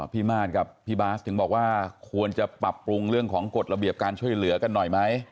มาสกับพี่บาสถึงบอกว่าควรจะปรับปรุงเรื่องของกฎระเบียบการช่วยเหลือกันหน่อยไหม